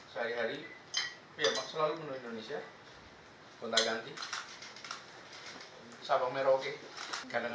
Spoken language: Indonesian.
tiga hari menjelang masa jabatan gubernur dki jakarta usai anies rashid baswedan menunjukkan ruang kerjanya